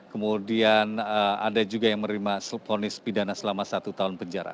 kemudian ada juga yang menerima ponis pidana selama satu tahun penjara